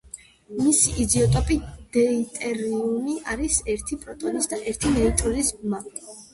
მისი იზოტოპი დეიტერიუმი არის ერთი პროტონის და ერთი ნეიტრონის ბმა.